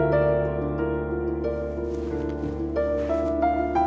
mungkin gue bisa dapat petunjuk lagi disini